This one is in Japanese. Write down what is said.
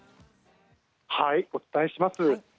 お伝えします。